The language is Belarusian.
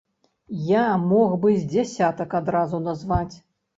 Я мог бы з дзясятак адразу назваць.